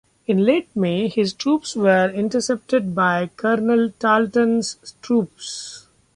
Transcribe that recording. In late May, his troops were intercepted by Colonel Tarleton's troops.